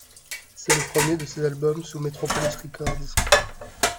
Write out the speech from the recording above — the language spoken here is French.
C'est le premier de ses albums sous Metropolis Records.